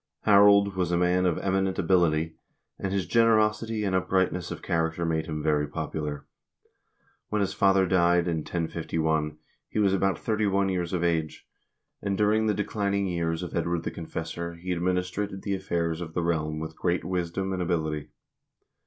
Harold was a man of eminent ability, and his generosity and upright ness of character made him very popular. When his father died in 1051, he was about thirty one years of age, and during the declin 288 HISTORY OF THE NORWEGIAN PEOPLE ing years of Edward the Confessor he administrated the affairs of the realm with great wisdom and ability.